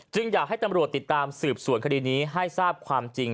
อยากให้ตำรวจติดตามสืบสวนคดีนี้ให้ทราบความจริง